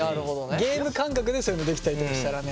ゲーム感覚でそういうのできたりとかしたらね。